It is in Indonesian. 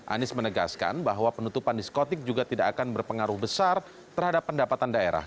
anies menegaskan bahwa penutupan diskotik juga tidak akan berpengaruh besar terhadap pendapatan daerah